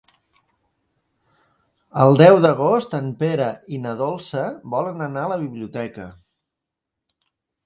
El deu d'agost en Pere i na Dolça volen anar a la biblioteca.